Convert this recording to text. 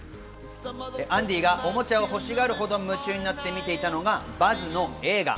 アンディがおもちゃを欲しがるほど夢中になって見ていたのがバズの映画。